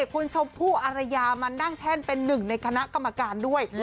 คุณชมพู่อารยามานั่งแท่นเป็นหนึ่งในคณะกรรมการด้วย